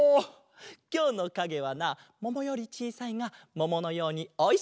きょうのかげはなももよりちいさいがもものようにおいしいあれだぞ！